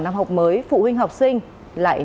năm học mới phụ huynh học sinh lại